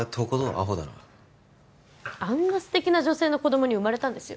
アホだなあんな素敵な女性の子どもに生まれたんですよ？